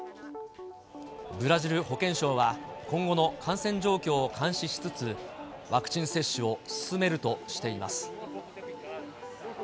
ブラジル保健省は今後の感染状況を監視しつつ、ワクチン接種を進めるとしています。